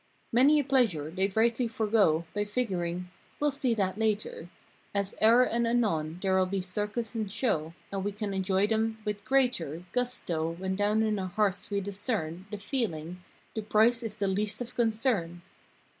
Many a pleasure they'd rightly forego By figuring—"we'll see that later. As e'er and anon there'll be circus and show And we can enjoy them with greater Gusto when down in our hearts we discern The feeling—'the price is the least of concern.